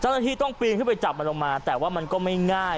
เจ้าหน้าที่ต้องปีนขึ้นไปจับมันลงมาแต่ว่ามันก็ไม่ง่าย